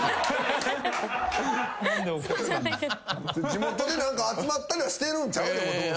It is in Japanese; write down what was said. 地元で何か集まったりはしてるんちゃう？